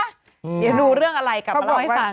เดี๋ยวดูเรื่องอะไรกลับมาเล่าให้ฟัง